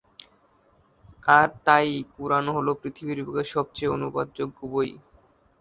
আর তাই কুরআন হলো পৃথিবীর বুকে সবচেয়ে অনুবাদ যোগ্য বই।